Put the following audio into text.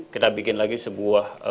kita bikin lagi sebuah